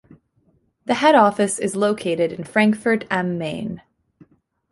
The head office is located in Frankfurt am Main.